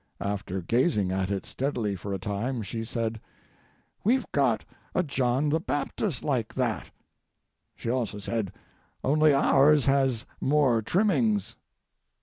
After gazing at it steadily for a time, she said: "We've got a John the Baptist like that." She also said: "Only ours has more trimmings."